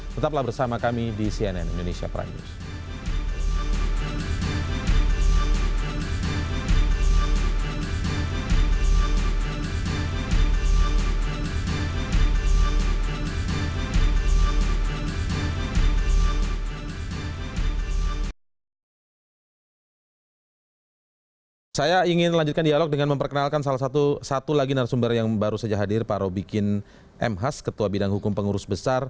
tetaplah bersama kami di cnn indonesia prime news